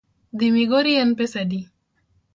Dhi migori en pesa adi?